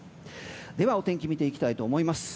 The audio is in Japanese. ではお天気見ていきたいと思います。